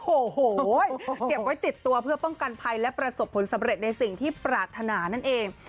โอ้โหเก็บไว้ติดตัวเพื่อป้องกันภัยและประสบผลสำเร็จในสิ่งที่ปรารถนานั่นเอง